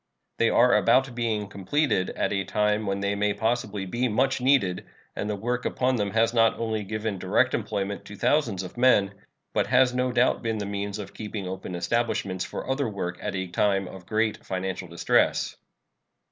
They are about being completed at a time when they may possibly be much needed, and the work upon them has not only given direct employment to thousands of men, but has no doubt been the means of keeping open establishments for other work at a time of great financial distress.